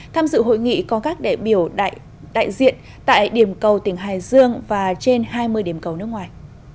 tham dự hội nghị có các đại biểu đại diện tại điểm cầu tỉnh hải dương và trên hai mươi điểm cầu nước ngoài